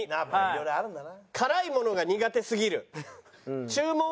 色々あるんだな。